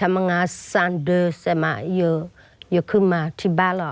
จะทำงานสามเดือนจะขึ้นมาที่บ้านหรอก